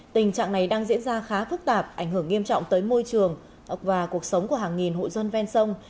tình trạng này đang diễn ra khá phức tạp ảnh hưởng nghiêm trọng tới môi trường và cuộc sống của hàng nghìn hộ dân ven sông